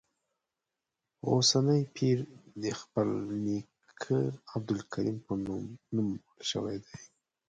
اوسنی پیر د خپل نیکه عبدالکریم په نوم نومول شوی دی.